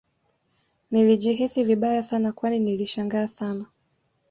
Nilijihisi vibaya Sana Kwani nilishangaa Sana